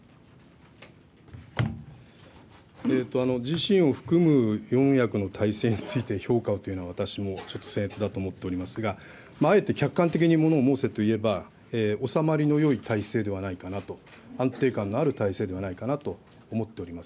自身を含む四役の体制について評価をというのは私もちょっとせん越だと思っておりますが、あえて客観的にものを申せといえば、おさまりのよい体制ではないかなと、安定感のある体制ではないかなと思っております。